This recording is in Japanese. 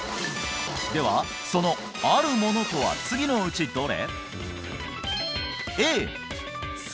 ではそのあるものとは次のうちどれ？